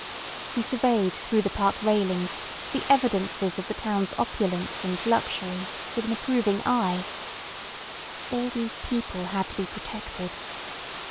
He surveyed through the park railings the evidences of the town's opulence and luxury with an approving eye. All these people had to be protected.